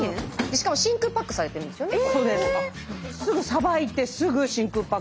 しかも真空パックされてるんですよね。